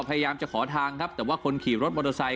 พยายามจะขอทางครับแต่ว่าคนขี่รถมอเตอร์ไซค